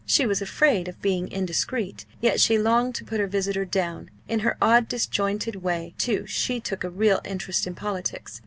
She was afraid of being indiscreet; yet she longed to put her visitor down. In her odd disjointed way, too, she took a real interest in politics.